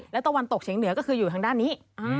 และตะวันตกเฉียงเหนือก็คืออยู่ทางด้านนี้